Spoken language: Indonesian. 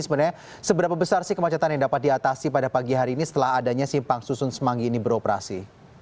sebenarnya seberapa besar sih kemacetan yang dapat diatasi pada pagi hari ini setelah adanya simpang susun semanggi ini beroperasi